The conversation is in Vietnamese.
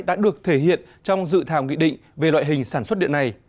đã được thể hiện trong dự thảo nghị định về loại hình sản xuất điện này